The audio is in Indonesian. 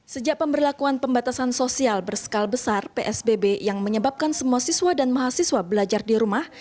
sejak pemberlakuan pembatasan sosial berskala besar psbb yang menyebabkan semua siswa dan mahasiswa belajar di rumah